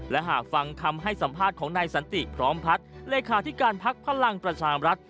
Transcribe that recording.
และหากฟังคำให้สัมภาษณ์ของนายสันติพร้อมพัฒน์เลขาธิการพักพลังประชามรัฐ